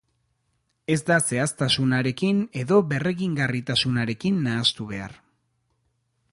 Ez da zehaztasunarekin edo berregingarritasunarekin nahastu behar.